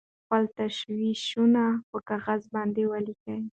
خپل تشویشونه په کاغذ باندې ولیکئ.